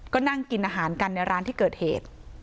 ก็นั่งกินอาหารกันในร้านที่เกิดเหตุ